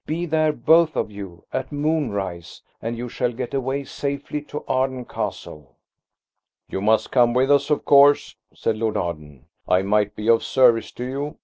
"Be there, both of you, at moonrise, and you shall get away safely to Arden Castle." "You must come with us, of course," said Lord Arden. "I might be of service to you.